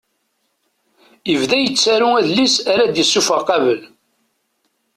Ibda yettaru adlis ara d-isuffeɣ qabel.